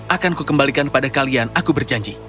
akanku kembalikan pada kalian aku berjanji